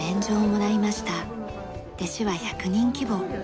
弟子は１００人規模。